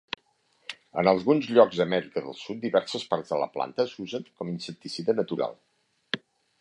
En alguns llocs d'Amèrica del Sud diverses parts de la planta s'usen com insecticida natural.